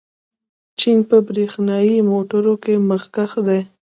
چین په برېښنايي موټرو کې مخکښ دی.